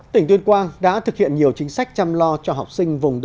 tỉnh tuyên quang đã thực hiện nhiều chính sách chăm lo cho học sinh vùng đồng bà